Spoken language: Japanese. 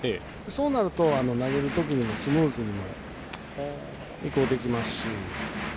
そうなると投げるときにもスムーズに移行できますし。